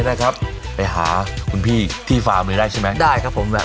นะครับไปหาคุณพี่ที่ฟาร์มเลยได้ใช่ไหมได้ครับผมแหละ